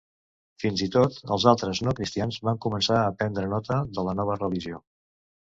Fins i tot els altres no-cristians van començar a prendre nota de la nova religió.